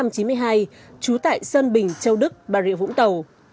trú tại sơn bình châu đức bà rịa vũng tàu